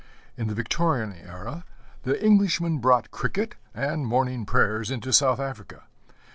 In the Victorian era the Englishman brought cricket and morning prayers into South Africa.